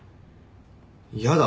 嫌だ。